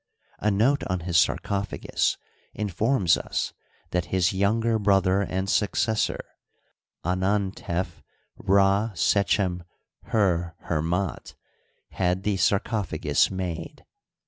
A note on his sarcophagus informs us that his younger brother and successor, Anantef Rdsechem'herher'fndt, had the sarcophagus made.